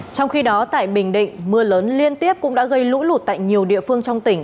trong khi đó tại bình định mưa lớn liên tiếp cũng đã gây lũ lụt tại nhiều địa phương trong tỉnh